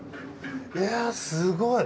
いやすごい！